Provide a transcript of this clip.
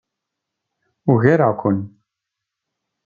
Ugareɣ-ken.